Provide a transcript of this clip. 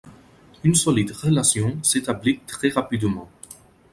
Une solide relation s’établit très rapidement.